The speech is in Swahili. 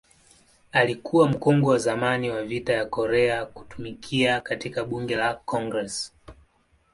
Alikuwa mkongwe wa zamani wa Vita vya Korea kutumikia katika Bunge la Congress.